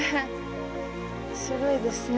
すごいですね。